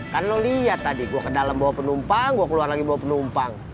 kan lo lihat tadi gue ke dalam bawa penumpang gue keluar lagi bawa penumpang